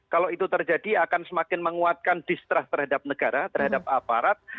kalau itu terjadi akan semakin menguatkan distrust terhadap negara terhadap aparat